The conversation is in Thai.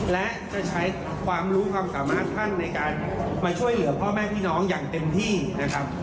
และจะใช้ความรู้ความสามารถท่านในการมาช่วยเหลือพ่อแม่พี่น้องอย่างเต็มที่นะครับ